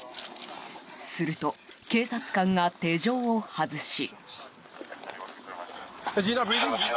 すると、警察官が手錠を外し。